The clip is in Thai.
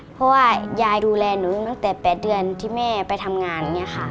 เพราะว่ายายดูแลหนูตั้งแต่๘เดือนที่แม่ไปทำงานอย่างนี้ค่ะ